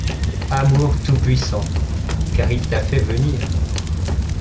Amour tout-puissant ! car il t’a fait venir.